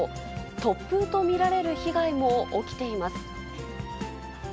突風と見られる被害も起きています。